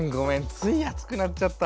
つい熱くなっちゃった。